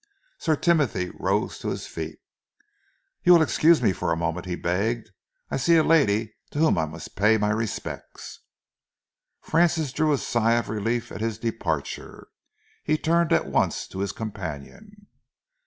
Sir Timothy rose to his feet. "You will excuse me for a moment," he begged. "I see a lady to whom I must pay my respects." Francis drew a sigh of relief at his departure. He turned at once to his companion.